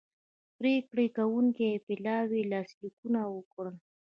پریکړې کوونکي پلاوي لاسلیکونه وکړل